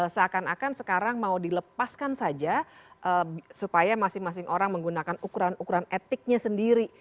seakan akan sekarang mau dilepaskan saja supaya masing masing orang menggunakan ukuran ukuran etiknya sendiri